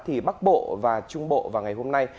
thì bắc bộ và trung bộ vào ngày hôm nay